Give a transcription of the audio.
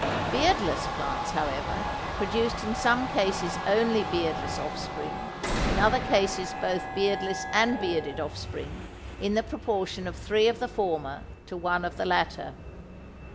Beardless plants, however, produced in some cases only beardless offspring, in other cases both beardless and bearded offspring in the proportion of three of the former to one of the latter.